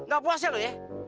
gak puas ya loh ya